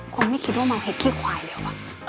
ควรไม่คิดว่ามัวเฮ็ดขี้ควายเดี๋ยว